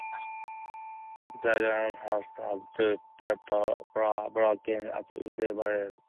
The gatehouse has two upper floors, broken up into various rooms.